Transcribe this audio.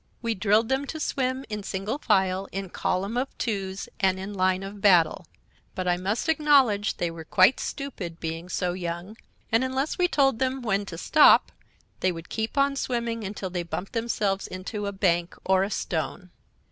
We drilled them to swim in single file, in column of twos and in line of battle; but I must acknowledge they were quite stupid, being so young, and, unless we told them when to stop, they would keep on swimming until they bumped themselves into a bank or a stone.